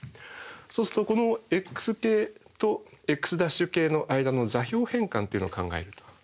そうするとこのｘ系とｘ′系の間の座標変換というのを考えると。